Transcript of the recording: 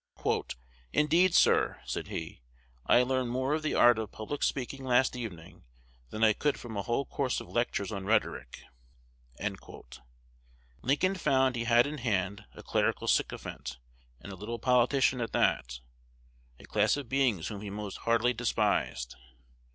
"Indeed, sir," said he, "I learned more of the art of public speaking last evening than I could from a whole course of lectures on rhetoric." Lincoln found he had in hand a clerical sycophant, and a little politician at that, a class of beings whom he most heartily despised.